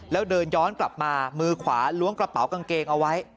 แล้วเดินย้อนกลับมามือขวาล้วงกระเป๋ากางเกงเอาไว้